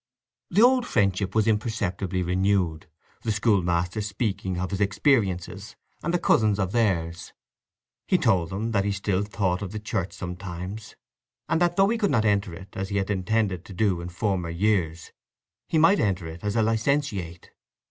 The old friendship was imperceptibly renewed, the schoolmaster speaking of his experiences, and the cousins of theirs. He told them that he still thought of the Church sometimes, and that though he could not enter it as he had intended to do in former years he might enter it as a licentiate.